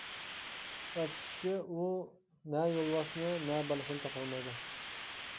ئەپسۇسكى ئۇ نە يولۋاسنى، نە بالىسىنى تاپالمايدۇ.